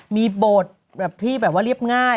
มีโบทธิชนะฮะที่แบบว่าเรียบง่าย